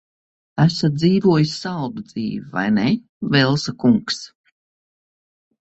Esat dzīvojis saldu dzīvi, vai ne, Velsa kungs?